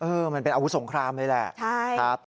เออมันเป็นอาวุธสงครามเลยแหละ